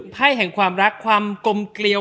ไพ่แห่งความรักความกลมเกลียว